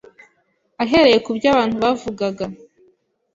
Ahereye ku byo abantu bavugaga